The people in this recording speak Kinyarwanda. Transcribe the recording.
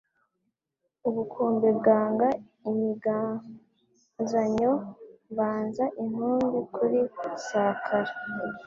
Ubukombe bwanga imiganzanyo mbanza intumbi kuli Sakara;